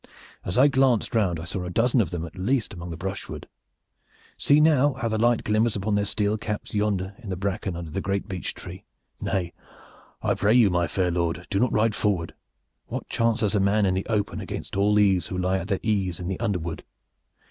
As I glanced round I saw a dozen of them at the least amongst the brushwood. See now how the light glimmers upon their steel caps yonder in the bracken under the great beech tree. Nay, I pray you, my fair lord, do not ride forward. What chance has a man in the open against all these who lie at their ease in the underwood?